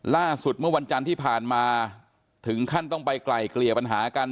ล่าสุดเมื่อวันจันทร์ที่ผ่านมาถึงขั้นต้องไปไกลเกลี่ยปัญหากัน